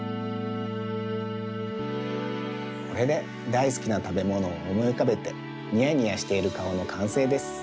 これでだいすきなたべものをおもいうかべてにやにやしているかおのかんせいです。